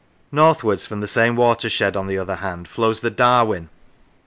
Northwards, from the same watershed, on the other hand, flows the Darwen.